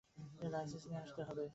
Licence নিয়ে আসতে হবে।